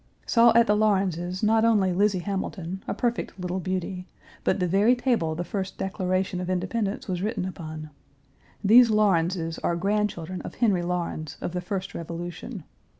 Saw at the Laurens's not only Lizzie Hamilton, a perfect little beauty, but the very table the first Declaration of Independence was written upon. These Laurenses are grandchildren of Henry Laurens, of the first Revolution.